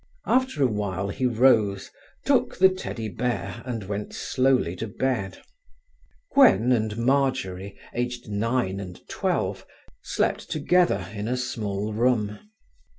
After a while he rose, took the teddy bear, and went slowly to bed. Gwen and Marjory, aged nine and twelve, slept together in a small room.